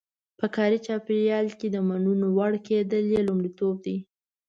په کاري چاپېریال کې د منلو وړ کېدل یې لومړیتوب دی.